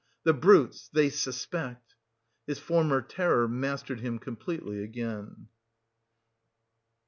"The brutes! they suspect." His former terror mastered him completely again.